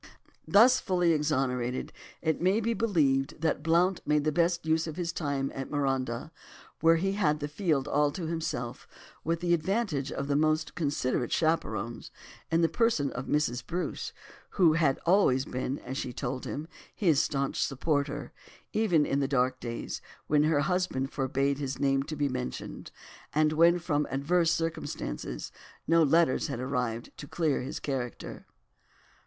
'" Thus fully exonerated, it may be believed that Blount made the best use of his time at Marondah, where he had the field all to himself with the advantage of the most considerate of chaperons, in the person of Mrs. Bruce, who had always been, as she told him, his staunch supporter, even in the dark days, when her husband forbade his name to be mentioned, and when from adverse circumstances no letters had arrived to clear his character.